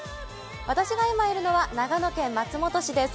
私が今いるのは長野県松本市です。